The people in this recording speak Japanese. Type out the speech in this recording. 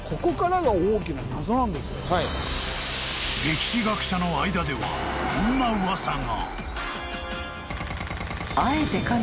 ［歴史学者の間ではこんな噂が］